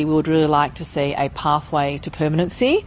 kita ingin melihat jalan ke permanensi